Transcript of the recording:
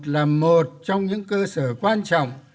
là một trong những cơ sở quan trọng